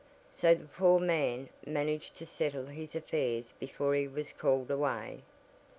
So the poor man managed to settle his affairs before he was called away.